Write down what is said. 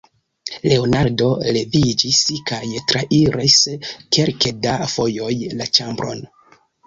Leonardo leviĝis kaj trairis kelke da fojoj la ĉambron.